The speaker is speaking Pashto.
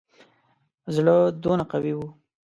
زړه دونه قوي وو.